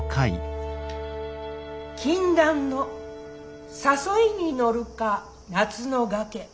「禁断の誘いに乗るか夏の崖」。